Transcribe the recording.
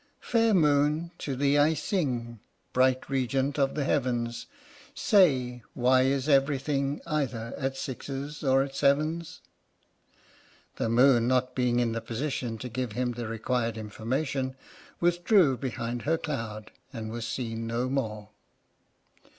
Fair moon, to thee I sing, Bright regent of the heavens, Say, why is everything Either at sixes or at sevens? 75 H.M.S. "PINAFORE" The moon not being in the position to give him the required information, withdrew behind her cloud, and was seen no more.